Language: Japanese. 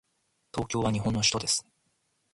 東京は日本の首都です。